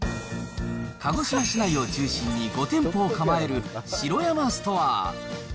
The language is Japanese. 鹿児島市内を中心に５店舗を構える城山ストアー。